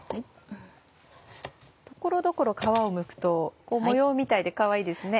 所々皮をむくと模様みたいでかわいいですね。